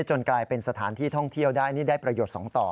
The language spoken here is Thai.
กลายเป็นสถานที่ท่องเที่ยวได้นี่ได้ประโยชน์๒ต่อ